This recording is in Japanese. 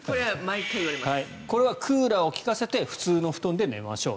これは、クーラーを利かせて普通の布団で寝ましょう。